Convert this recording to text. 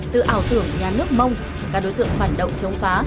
từ ảo tưởng nhà nước mông các đối tượng phản động chống phá